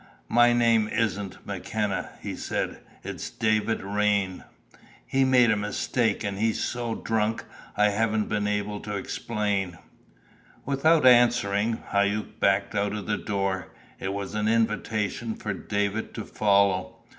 "My name isn't McKenna," he said. "It's David Raine. He made a mistake, and he's so drunk I haven't been able to explain." Without answering, Hauck backed out of the door. It was an invitation for David to follow.